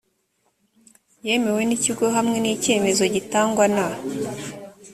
yemewe n ikigo hamwe n icyemezo gitangwa na